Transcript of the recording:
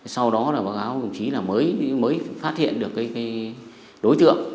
sau đó là báo cáo đồng chí là mới phát hiện được cái đối tượng